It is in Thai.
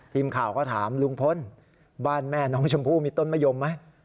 ทีมข่าวก็ถามลุงพลบ้านแม่น้องชมพู่มีต้นมะยมไหม